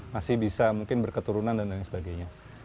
masih bisa mungkin berketurunan dan lain sebagainya